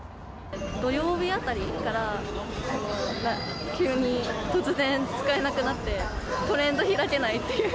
土曜日あたりから、急に、突然使えなくなって、トレンド開けないっていう。